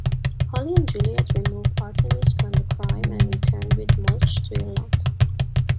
Holly and Juliet remove Artemis from the crime, and return with Mulch to Ireland.